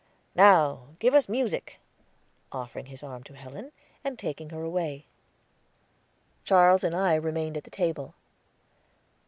"Now give us music!" offering his arm to Helen, and taking her away. Charles and I remained at the table.